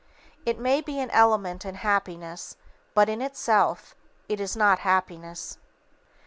It may be an element in happiness, but, in itself, it is not happiness.